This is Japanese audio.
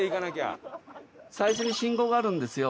最初に信号があるんですよ。